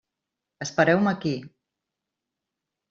Espereu-me aquí.